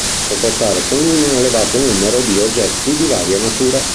Può portare con lui un elevato numero di oggetti di varia natura.